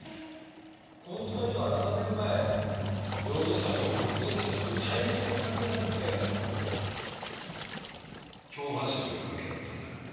この２人は７年前容疑者と目撃者という対立する関係じゃなくて共犯者という関係だったんだよ。